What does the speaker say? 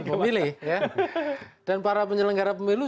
pemilih dan para penyelenggara pemilu